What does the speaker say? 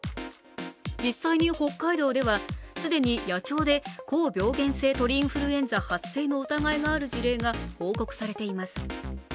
実際に北海道では、既に野鳥で高病原性鳥インフルエンザ発生の疑いがある事例が報告されています。